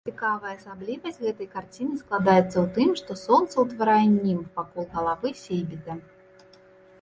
Цікавая асаблівасць гэтай карціны складаецца ў тым, што сонца ўтварае німб вакол галавы сейбіта.